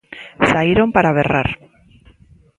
Saíron para berrar.